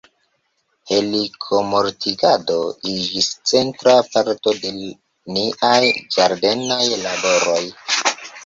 Helikmortigado iĝis centra parto de niaj ĝardenaj laboroj.